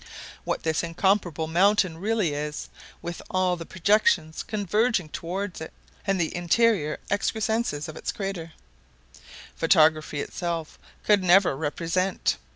What this incomparable mountain really is, with all the projections converging toward it, and the interior excrescences of its crater, photography itself could never represent.